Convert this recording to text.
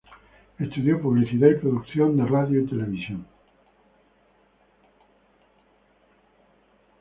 Estudió Publicidad y Producción de Radio y Televisión.